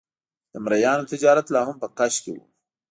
د مریانو تجارت لا هم په کش کې و.